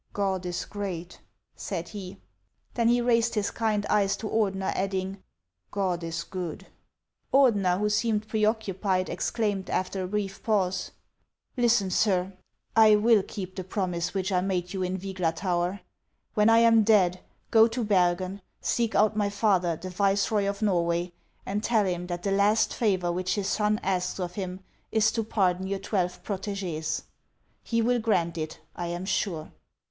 " God is great !" said he. Then he raised his kind eyes to Ordener, adding, " God is good !" Ordener, who seemed preoccupied, exclaimed, after a brief pause :" Listen, sir ; I will keep the promise which I made you in Vygla tower. When I am dead, go to Bergen, seek out my father, the viceroy of Norway, and tell him that the last favor which his son asks of him is to pardon your twelve proteges. He will grant it, I am sure."